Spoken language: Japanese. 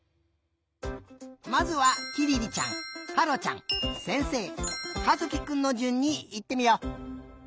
まずはきりりちゃんはろちゃんせんせいかずきくんのじゅんにいってみよう。